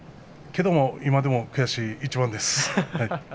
けど今でも悔しい一番です。